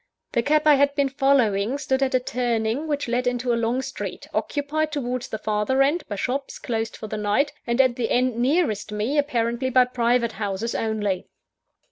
The cab I had been following stood at a turning which led into a long street, occupied towards the farther end, by shops closed for the night, and at the end nearest me, apparently by private houses only.